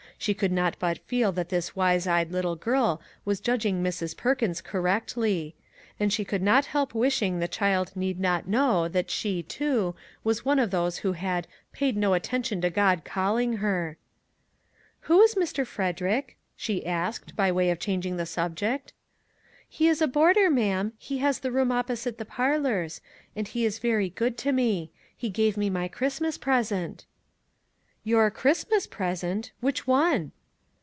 She could not but feel that the wise eyed little girl was judging Mrs. Perkins cor rectly ; and she could not help wishing the child need not know that she, too, was one of those who had " paid no attention to God calling her." " Who is Mr. Frederick ?" she asked, by way of changing the subject. " He is a boarder, ma'am ; he has the room opposite the parlors; and he is very good to me. He gave me my Christmas present." " Your ' Christmas present '! Which one?